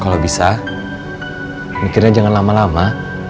kalau bisa mikirnya jangan lama lama